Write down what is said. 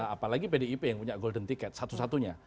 apalagi pdip yang punya golden ticket satu satunya